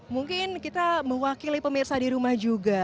mungkin kita mewakili pemirsa di rumah juga